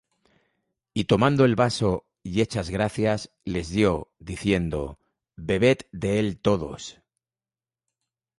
Y tomando el vaso, y hechas gracias, les dió, diciendo: Bebed de él todos;